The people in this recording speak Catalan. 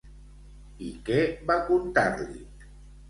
I què va contar-li?